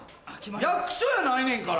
役所やないねんから。